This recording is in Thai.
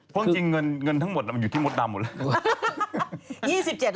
เพราะจริงเงินทั้งหมดมันอยู่ที่มดดำหมดแล้ว